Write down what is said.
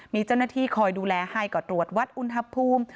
มีเจ้าหน้าที่คอยดูแลให้ก็ตรวจวัดอุณหภูมิ